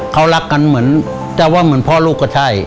เขารักกันเหมือนจะว่าเหมือนพ่อลูกก็ใช่